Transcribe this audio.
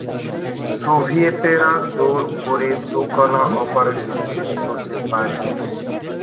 সোভিয়েতরা জোর করে দুকলা অপারেশন শেষ করতে পারেনি।